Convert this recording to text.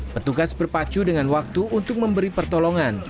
petugas berpacu dengan waktu untuk memberi pertolongan